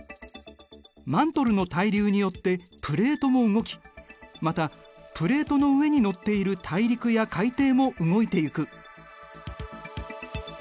マントルの対流によってプレートも動きまたプレートの上にのっている大陸や海底も動いていく。